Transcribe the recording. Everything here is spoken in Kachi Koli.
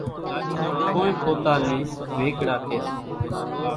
ڪونئين پوتا نين ويڳڙا ڪيَ سي۔